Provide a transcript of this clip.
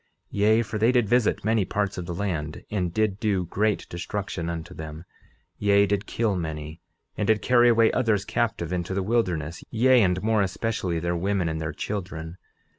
11:33 Yea, for they did visit many parts of the land, and did do great destruction unto them; yea, did kill many, and did carry away others captive into the wilderness, yea, and more especially their women and their children.